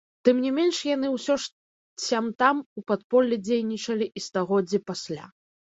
Тым не менш яны ўсё ж сям-там у падполлі дзейнічалі і стагоддзі пасля.